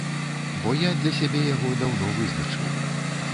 Бо я для сябе яго даўно вызначыў.